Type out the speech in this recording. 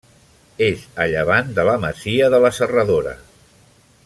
És a llevant de la masia de la Serradora.